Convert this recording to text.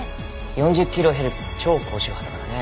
４０キロヘルツの超高周波だからね。